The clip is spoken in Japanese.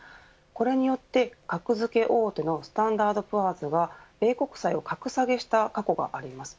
これによって格付け大手のスタンダートプアーズが米国債を格下げした過去があります。